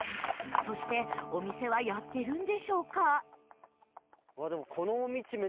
そしてお店はやってるんでしょうか？